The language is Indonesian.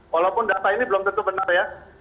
walaupun data ini belum tentu benar ya